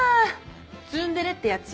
ツンデレってやつよ。